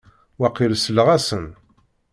Waqil selleɣ-asen.